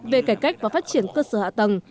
về cải cách và phát triển cơ sở hạ tầng